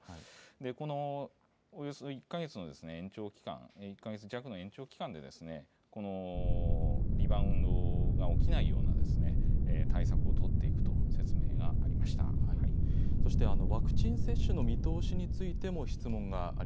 このおよそ１か月の延長期間、１か月弱の延長期間で、このリバウンドが起きないような対策を取っそしてワクチン接種の見通し